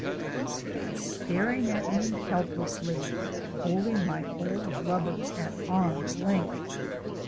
He stood staring at me helplessly, holding my old rubbers at arm's length.